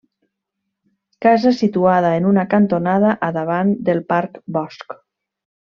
Casa situada en una cantonada, a davant del Parc-Bosc.